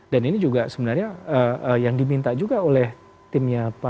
dan ini juga sebenarnya yang diminta juga oleh timnya pak sambo kan